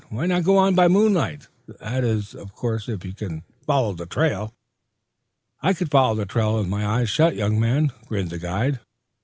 "Why not go on by moonlight? That is, of course, if you can follow the trail." "I could follow the trail with my eyes shut, young man," grinned the guide.